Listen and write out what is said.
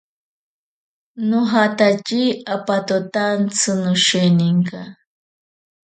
Nojatache apatotaantsi nosheninka.